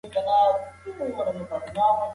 د ریاکارۍ عمل هېڅ ارزښت نه لري.